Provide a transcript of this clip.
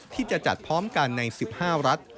ที่จะจัดพร้อมกันใน๑๕รัฐ